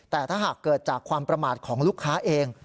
แต่ถ้าหากเกิดจากความประมาทของลูกค้าเอง